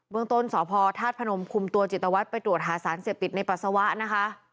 เมืองต้นสพธาตุพนมคุมตัวจิตวัตรไปตรวจหาสารเสพติดในปัสสาวะนะคะ